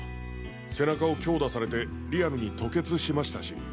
背中を強打されてリアルに吐血しましたし。